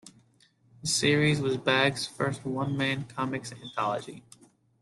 The series was Bagge's first one-man comics anthology.